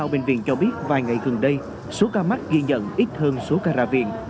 ba bệnh viện cho biết vài ngày gần đây số ca mắc ghi nhận ít hơn số ca ra viện